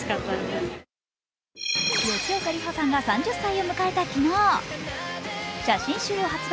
吉岡里帆さんが３０歳を迎えた昨日、写真集を発売。